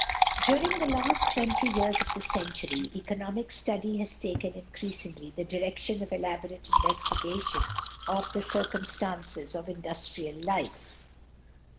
During the last twenty years of the century, economic study has taken increasingly the direction of elaborate investigation of the circumstances of industrial life.